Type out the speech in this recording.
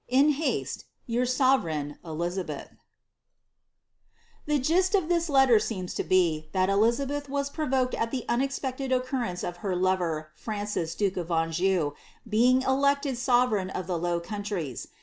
la haste, Your sovereign, *' Elizabsth.*' The gist of this letter seems to be, that Elizabeth was provoked at the anexpected occurrence of her lover, Francis, duke of Anjou, being elected sovereign of the Low Countries.